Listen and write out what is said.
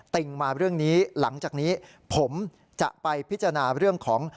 ติ่งมาเรื่องนี้หลังจากนี้ผมจะไปพิจารณาเรื่องของ